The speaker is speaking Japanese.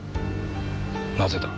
なぜだ？